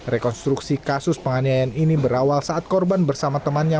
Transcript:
rekonstruksi kasus penganiayaan ini berawal saat korban bersama temannya